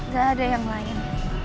gak ada yang lain